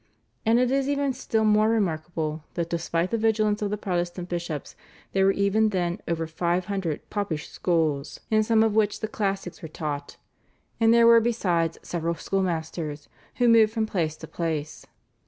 And it is even still more remarkable that despite the vigilance of the Protestant bishops there were even then over five hundred "popish schools" in some of which the classics were taught, and there were besides several schoolmasters who moved from place to place.